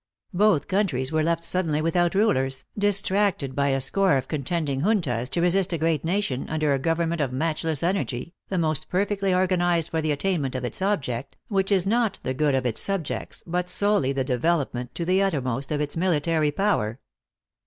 Both countries were left suddenly without rulers, distracted by a score of contending juntas, to resist a great nation, under a government of matchless energy, the most perfectly organized for the attainment of its object, which is not the good of its subjects, but solely the develope ment, to the uttermost, of its military power.